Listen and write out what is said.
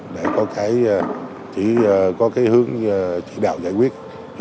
để có cái hướng chỉ đạo giải quyết